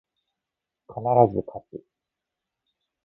必ず、かつ